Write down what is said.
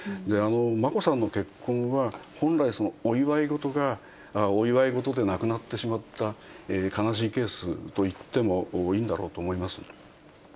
眞子さんの結婚は、本来、お祝い事がお祝い事でなくなってしまった悲しいケースといってもいいんだろうと思います。